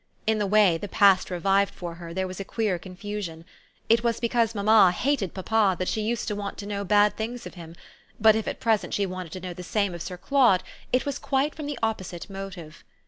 In the way the past revived for her there was a queer confusion. It was because mamma hated papa that she used to want to know bad things of him; but if at present she wanted to know the same of Sir Claude it was quite from the opposite motive.